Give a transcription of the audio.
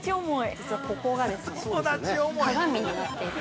◆実はここが鏡になっていて。